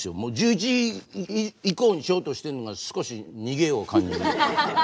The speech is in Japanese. １１時以降にしようとしてるのが少し逃げを感じる。